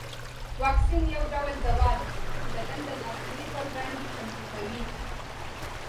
واکسین یو ډول دوا ده چې بدن د ناروغیو پر وړاندې چمتو کوي